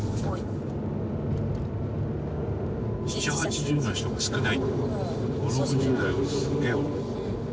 ７０８０の人が少ない。